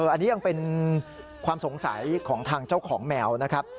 อันนี้ยังเป็นความสงสัยของทางเจ้าของแมวนะครับ